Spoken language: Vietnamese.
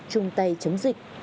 trung tay chống dịch